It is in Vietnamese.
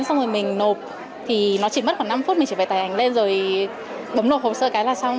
xong rồi mình nộp thì nó chỉ mất khoảng năm phút mình chỉ phải tài hành lên rồi bấm nộp hồ sơ cái là xong